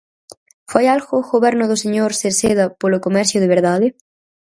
¿Fai algo o Goberno do señor Cerceda polo comercio de verdade?